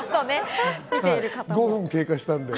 ５分経過したんで。